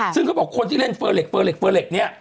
ซึ่งเขาบอกคนที่เล่นเฟอร์เล็กเฟอร์เล็กเฟอร์เล็กเนี่ย